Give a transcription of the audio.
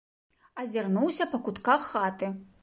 Азірнуўся па кутках хаты.